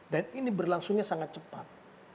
dan ini berlangsungnya sangat cepat